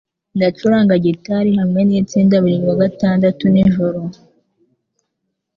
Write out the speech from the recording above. Ndacuranga gitari hamwe nitsinda buri wa gatandatu nijoro